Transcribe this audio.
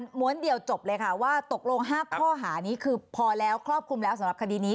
้วนเดียวจบเลยค่ะว่าตกลง๕ข้อหานี้คือพอแล้วครอบคลุมแล้วสำหรับคดีนี้